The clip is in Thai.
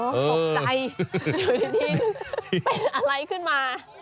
เป็นอะไรขึ้นมา